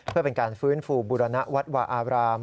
เพื่อเป็นการฟื้นฟูบุรณวัดวาอาบราม